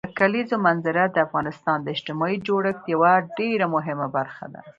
د کلیزو منظره د افغانستان د اجتماعي جوړښت یوه ډېره مهمه برخه ده.